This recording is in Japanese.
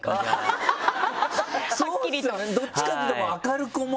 どっちかっていうと明るく思われません？